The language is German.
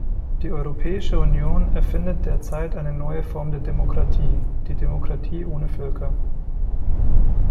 Die Europäische Union erfindet derzeit eine neue Form der Demokratie die Demokratie ohne Völker.